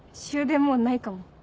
終電もうないかも。